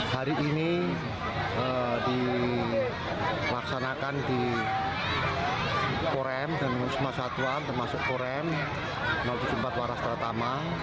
hari ini dilaksanakan di korem dan semasatuan termasuk korem tujuh puluh empat waras tertama